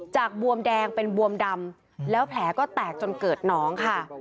บวมแดงเป็นบวมดำแล้วแผลก็แตกจนเกิดน้องค่ะ